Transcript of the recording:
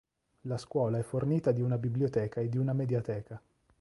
La scuola è fornita di una biblioteca e di una mediateca.